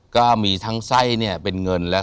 ก็มีทั้งไส้เนี่ยเป็นเงินแล้ว